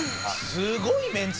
すごいね。